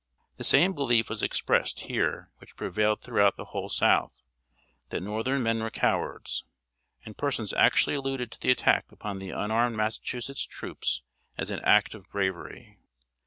The same belief was expressed here which prevailed throughout the whole South, that northern men were cowards; and persons actually alluded to the attack upon the unarmed Massachusetts troops as an act of bravery.